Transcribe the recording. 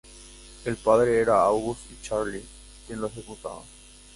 El padre era August y Charlie quien lo ejecutaba.